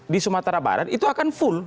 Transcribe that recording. di sumatera barat itu akan full